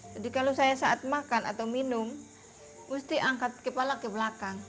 jadi kalau saya saat makan atau minum mesti angkat kepala ke belakang